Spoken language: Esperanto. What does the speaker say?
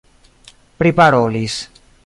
priparolis